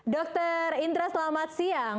dokter indra selamat siang